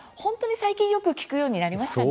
最近はよく聞くようになりましたよね？